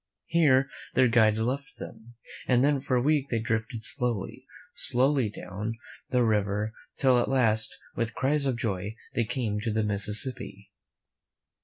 Here their guides left them, and then for a week they drifted slowly, slowly down the river, till at last, with cries of joy, they came to the Mississippi.